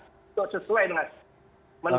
itu sesuai dengan